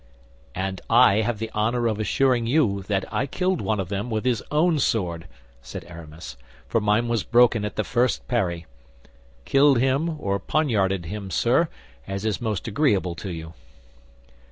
"And I have the honor of assuring you that I killed one of them with his own sword," said Aramis; "for mine was broken at the first parry. Killed him, or poniarded him, sir, as is most agreeable to you."